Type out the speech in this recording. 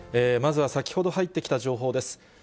まずは先ほど入ってきた情報です。